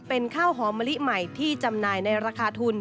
เป็นข้าวหอมมะลิใหม่ที่จำหน่ายในราคาทุน